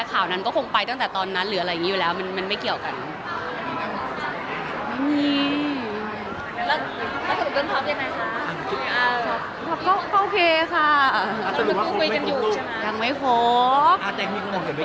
ก็ยังมีที่เขาบอกว่าเอ๊หรือว่าเป็นเพราะว่าเรามีข่าวเสียกับพี่ก้าวก่อนอันนี้